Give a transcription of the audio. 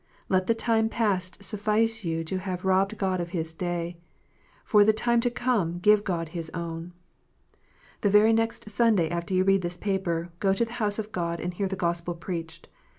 Let the time past suffice you to have robbed God of His Day. For the time to come give God His own. The very next Sunday after you read this paper, go to the house of God, and hear the Gospel preached.